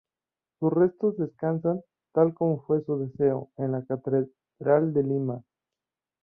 Sus restos descansan, tal como fue su deseo, en la Catedral de Lima.